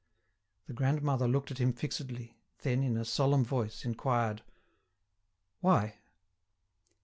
The grandmother looked at him fixedly, then, in a solemn voice, inquired: "Why?"